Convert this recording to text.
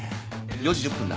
４時１０分だ。